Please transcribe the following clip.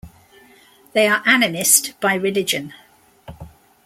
They are Animist by religion.